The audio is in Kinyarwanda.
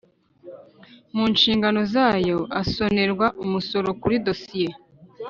mu nshingano zayo asonerwa umusoro kuri dosiye